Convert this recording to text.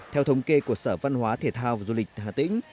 theo thống kê của sở văn hóa thể thao và du lịch hà tĩnh